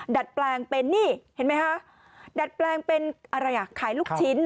ดัดแปลงเป็นนี่เห็นไหมคะดัดแปลงเป็นอะไรอ่ะขายลูกชิ้น